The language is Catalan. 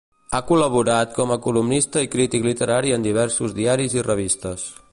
Ha col·laborat com a columnista i crític literari en diversos diaris i revistes.